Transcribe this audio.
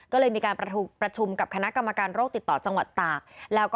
ก็เลยมีการประชุมกับคณะกรรมการโรคติดต่อจังหวัดตาก